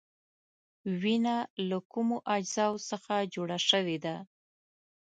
وینه له کومو اجزاوو څخه جوړه شوې ده؟